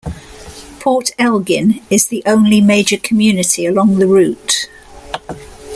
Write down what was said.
Port Elgin is the only major community along the route.